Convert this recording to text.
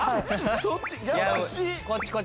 そっち優しい！